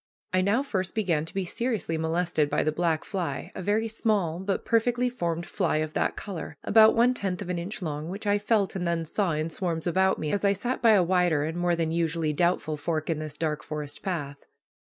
I now first began to be seriously molested by the black fly, a very small but perfectly formed fly of that color, about one tenth of an inch long, which I felt, and then saw, in swarms about me, as I sat by a wider and more than usually doubtful fork in this dark forest path.